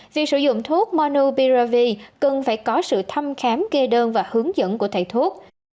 việc sử dụng thuốc monopiravir cần phải có sự thăm khám kê đơn và hướng dẫn của thầy thuốc